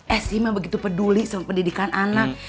esih mah begitu peduli sama pendidikan anak